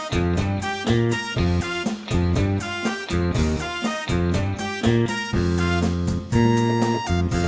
โทษทำไมน้องทำเหมือนกัน